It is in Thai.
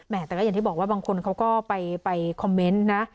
แต่ก็อย่างที่บอกว่าบางคนเขาก็ไปคอมเมนต์นะ